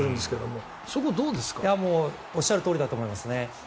もうおっしゃるとおりだと思いますね。